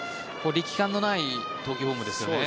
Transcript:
力感のない投球フォームですよね。